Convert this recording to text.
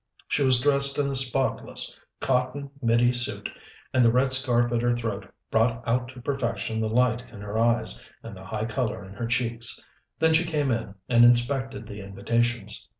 She was dressed in a spotless cotton middy suit, and the red scarf at her throat brought out to perfection the light in her eyes and the high color in her cheeks. Then she came in and inspected the invitations.